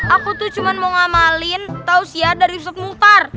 aku tuh cuma mau ngamalin tausia dari yusuf muhtar